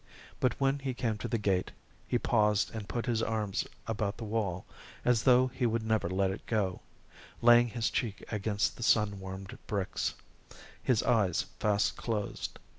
But when he came to the gate, he paused and put his arms about the wall, as though he would never let it go, laying his cheek against the sun warmed bricks, his eyes fast closed.